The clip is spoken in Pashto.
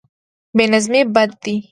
بې نظمي بد دی.